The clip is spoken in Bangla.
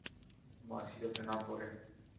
মাছি যাতে না পড়ে।